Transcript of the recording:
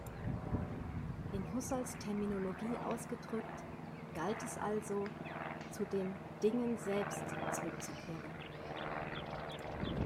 In Husserls Terminologie ausgedrückt galt es also, zu den „Dingen selbst“ zurückzukehren.